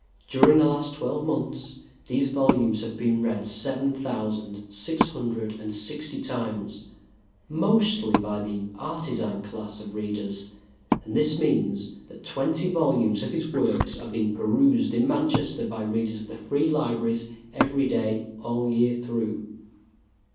During the last twelve months these volumes have been read seven thousand six hundred and sixty times, mostly by the artisan class of readers. And this means that twenty volumes of his works are being perused in Manchester by readers of the free libraries every day all the year through."